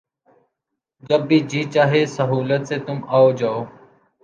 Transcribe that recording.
جب بھی جی چاہے سہولت سے تُم آؤ جاؤ